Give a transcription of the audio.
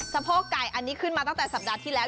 โพกไก่อันนี้ขึ้นมาตั้งแต่สัปดาห์ที่แล้ว